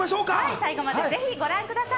最後までぜひご覧ください。